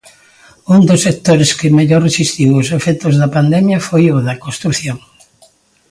Un dos sectores que mellor resistiu os efectos da pandemia foi o da construción.